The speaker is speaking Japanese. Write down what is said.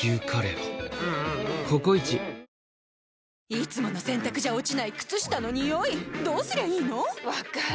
いつもの洗たくじゃ落ちない靴下のニオイどうすりゃいいの⁉分かる。